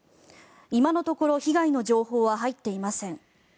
今のところ被害の情報は入っていません。